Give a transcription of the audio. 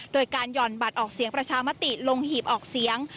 โดยการห่อนบัตรออกเสียงประชามติลงหีบออกเสียง